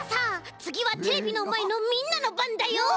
つぎはテレビのまえのみんなのばんだよ。